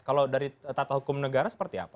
kalau dari tata hukum negara seperti apa